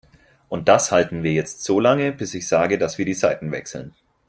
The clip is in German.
Und das halten wir jetzt so lange, bis ich sage, dass wir die Seiten wechseln.